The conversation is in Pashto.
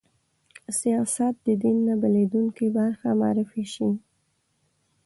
سیاست د دین نه بېلېدونکې برخه معرفي شي